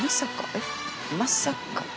まさか。